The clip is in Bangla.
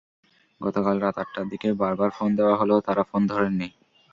গতকাল রাত আটটার দিকে বারবার ফোন দেওয়া হলেও তাঁরা ফোন ধরেননি।